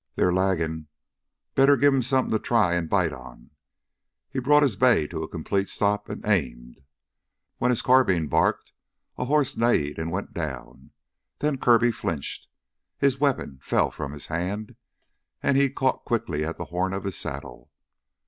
"They're laggin'. Better give 'em somethin' to try an' bite on!" He brought his bay to a complete stop and aimed. When his carbine barked, a horse neighed and went down. Then Kirby flinched, his weapon fell from his hand, and he caught quickly at the horn of his saddle.